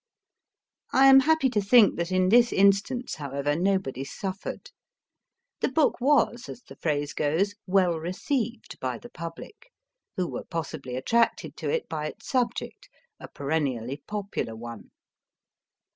I am happy to think that in this instance, however, nobody suffered. The book was, as the phrase goes, well received by the public, who were possibly attracted to it by its subject, a perennially popular one.